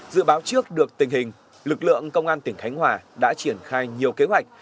dự báo trước được tình hình lực lượng công an tỉnh khánh hòa đã triển khai nhiều kế hoạch